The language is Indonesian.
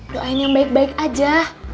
doain yang baik baik aja